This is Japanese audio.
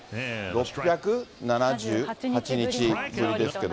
６７８日ぶりですけど。